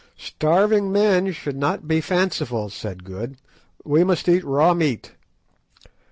"Starving men should not be fanciful," said Good; "we must eat raw meat."